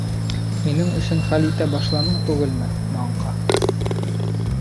Минең өсөн хәл итә башланың түгелме, маңҡа?